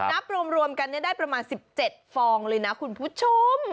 นับรวมกันได้ประมาณ๑๗ฟองเลยนะคุณผู้ชม